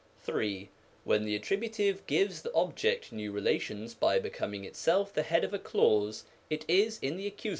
3. When the Attributive gives the object new re lations by becoming itself the head of a clause, it is in the Accus.